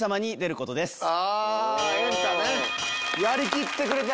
やりきってくれた。